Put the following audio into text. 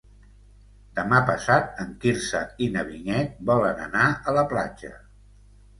Demà passat en Quirze i na Vinyet volen anar a la platja.